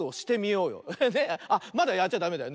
あっまだやっちゃダメだよ。